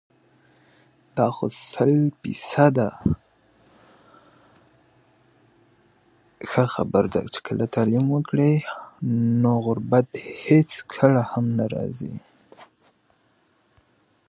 که تعلیم وي نو غربت نه راځي.